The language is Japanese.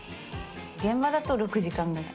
現場だと６時間ぐらい。